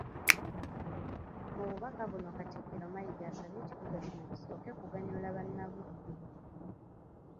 Mu bubaka buno Katikkiro Mayiga asabye ekibuga kino kisooke kuganyula bannabuddu.